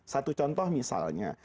satu contoh misalnya